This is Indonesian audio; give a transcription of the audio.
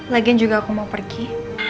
lagian juga aku mau pergi